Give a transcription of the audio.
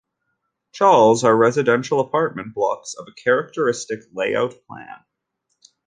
Chawls are residential apartment blocks of a characteristic layout plan.